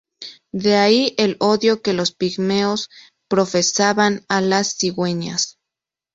De ahí el odio que los pigmeos profesaban a las cigüeñas.